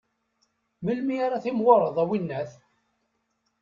Melmi ara timɣureḍ, a winnat?